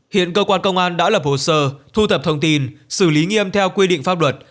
hiện cơ quan công an đã lập hồ sơ thu thập thông tin xử lý nghiêm theo quy định pháp luật